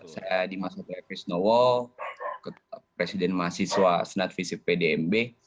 saya di masjid b krisnowo presiden mahasiswa senat visip pdmb